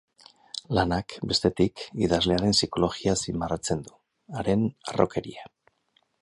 Lanak, bestetik, idazlearen psikologia azpimarratzen du, haren harrokeria.